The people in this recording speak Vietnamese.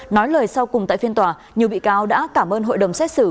nói lời sau cùng tại phiên tòa nhiều bị cáo đã cảm ơn hội đồng xét xử